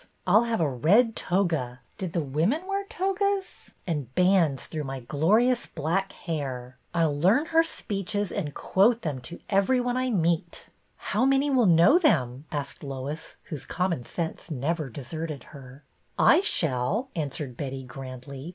I 'll have a red toga — did the women wear togas — and bands through my glorious black hair. I 'll learn her speeches and quote them to every one I meet." 240 BETTY BAIRD " How many will know them ?" asked Lois, whose common sense never deserted her, " I shall," answered Betty, grandly.